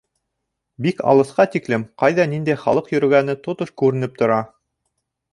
Бик алыҫҡа тиклем ҡайҙа ниндәй балыҡ йөрөгәне тотош күренеп тора.